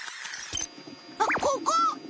あっここ！